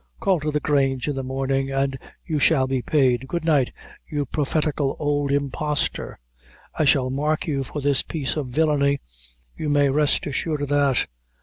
Call to the Grange in the morning, an' you shall be paid. Good night, you prophetical old impostor. I shall mark you for this piece of villany; you may rest assured of that.